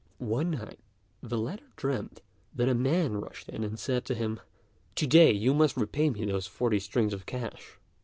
One night the latter dreamt that a man rushed in and said to him, "To day you must repay me those forty strings of cash."